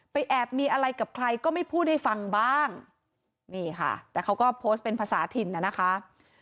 แอบมีอะไรกับใครก็ไม่พูดให้ฟังบ้างนี่ค่ะแต่เขาก็โพสต์เป็นภาษาถิ่นน่ะนะคะ